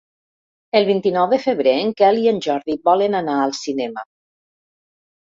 El vint-i-nou de febrer en Quel i en Jordi volen anar al cinema.